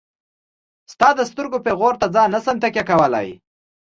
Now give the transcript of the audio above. ستا د سترګو پيغور ته ځان نشم تکيه کولاي.